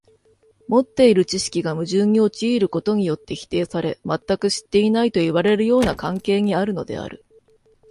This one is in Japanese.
持っている知識が矛盾に陥ることによって否定され、全く知っていないといわれるような関係にあるのである。